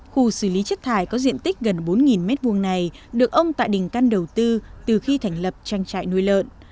khu xử lý chất thải có diện tích gần bốn m hai này được ông tạ đình căn đầu tư từ khi thành lập trang trại nuôi lợn